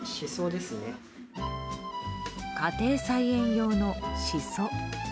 家庭菜園用の、シソ。